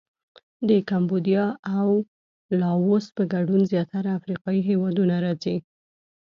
د کمبودیا او لاووس په ګډون زیاتره افریقایي هېوادونه راځي.